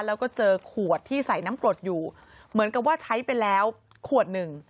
แล้วก็เจอขวดที่ใส่น้ำกรดอยู่เหมือนกับว่าใช้ไปแล้วขวดหนึ่ง